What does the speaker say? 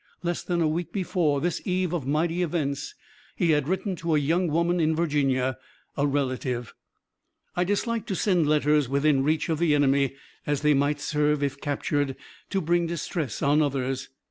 Less than a week before this eve of mighty events he had written to a young woman in Virginia, a relative: I dislike to send letters within reach of the enemy, as they might serve, if captured, to bring distress on others.